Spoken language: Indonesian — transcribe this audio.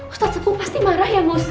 ustadz sepuh pasti marah ya mus